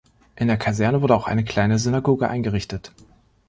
In der Kaserne wurde auch eine kleine Synagoge eingerichtet.